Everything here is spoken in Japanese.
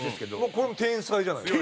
これも天才じゃないですか。